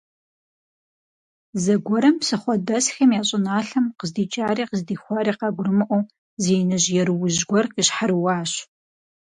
Зэгуэрым псыхъуэдэсхэм я щӀыналъэм, къыздикӀари къыздихутари къагурымыӀуэу, зы иныжь еруужь гуэр къищхьэрыуащ.